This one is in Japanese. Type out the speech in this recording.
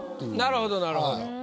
なるほどなるほど。